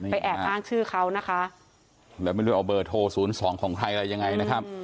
แอบอ้างชื่อเขานะคะแล้วไม่รู้เอาเบอร์โทร๐๒ของใครอะไรยังไงนะครับ